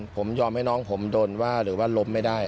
ผมยอมให้น้องผมโดนว่าหรือว่าล้มไม่ได้